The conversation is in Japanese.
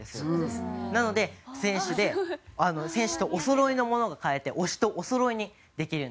なので選手で選手とおそろいのものが買えて推しとおそろいにできるんです。